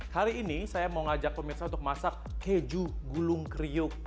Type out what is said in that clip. hari ini saya mau ngajak pemirsa untuk masak keju gulung kriuk